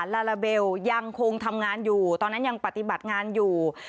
ลาลาเบลยังคงทำงานอยู่ตอนนั้นยังปฏิบัติงานอยู่